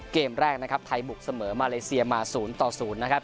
เกมแรกนะครับไทยบุกเสมอมาเลเซียมา๐ต่อ๐นะครับ